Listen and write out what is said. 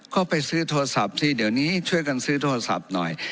ก็ไปซื้อโทรศัพท์สิเดี๋ยวนี้ช่วยกันซื้อโทรศัพท์หน่อย